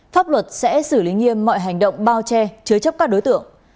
pháp luật sẽ xử lý nghiêm mọi hành động bao che chứa chấp các đối tượng